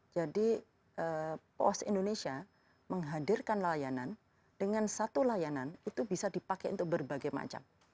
jadi pos indonesia menghadirkan layanan dengan satu layanan itu bisa dipakai untuk berbagai macam